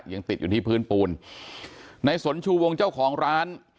ยังติดอยู่ที่พื้นปูนในสนชูวงเจ้าของร้าน